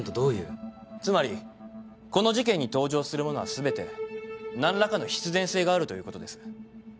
つまりこの事件に登場するものは全て何らかの必然性があるということです。